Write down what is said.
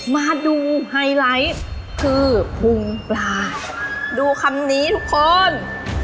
มาดูไฮไลท์คือพุงปลาดูคำนี้ทุกคน